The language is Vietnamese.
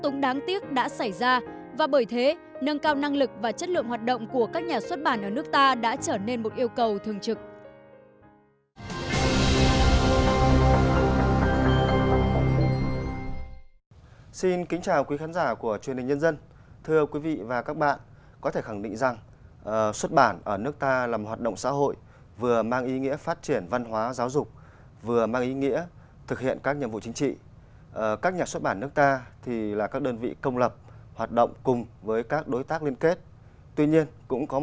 nâng cao năng lực và chất lượng hoạt động của các nhà xuất bản ở nước ta đã trở nên một yêu cầu thường trực